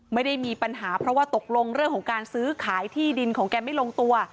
ไม่ได้มีปัญหาเพราะว่าตกลงเรื่องของการซื้อขายที่ดินของแกไม่ลงตัว